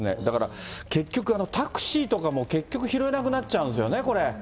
だから結局、タクシーとかも結局、拾えなくなっちゃうんですよね、これ。